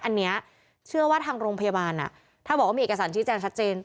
อันนี้เชื่อว่าทางโรงพยาบาลถ้าบอกว่ามีเอกสารชี้แจงชัดเจน